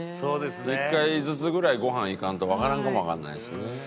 １回ずつぐらいごはん行かんとわからんかもわかんないですね。